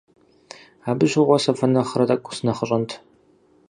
Абы щыгъуэ сэ фэ нэхърэ тӀэкӀу сынэхъыщӀэнт.